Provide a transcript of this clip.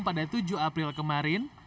pada tujuh april kemarin